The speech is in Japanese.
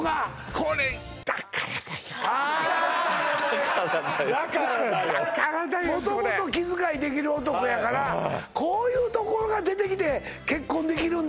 これ元々気遣いできる男やからこういうところが出てきて結婚できるんだ